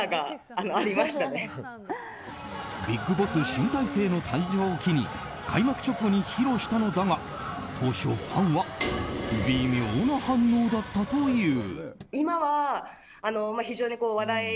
ＢＩＧＢＯＳＳ新体制の誕生を機に開幕直後に披露したのだが当初、ファンは微妙な反応だったという。